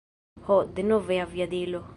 Ho, denove aviadilo.